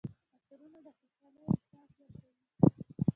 عطرونه د خوشحالۍ احساس ورکوي.